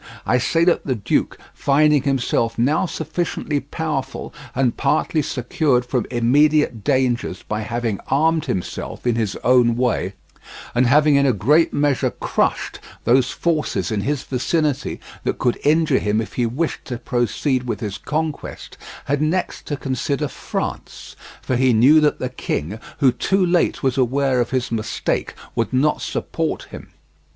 I say that the duke, finding himself now sufficiently powerful and partly secured from immediate dangers by having armed himself in his own way, and having in a great measure crushed those forces in his vicinity that could injure him if he wished to proceed with his conquest, had next to consider France, for he knew that the king, who too late was aware of his mistake, would not support him.